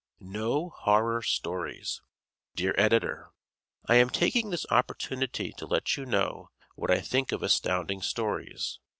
"No Horror Stories" Dear Editor: I am taking this opportunity to let you know what I think of Astounding Stories.